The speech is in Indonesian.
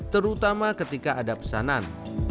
terutama ketika ada pesanan